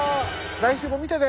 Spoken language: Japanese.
来週も見てね！